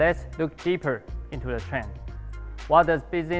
untuk memberikan anda kemampuan di setiap bidang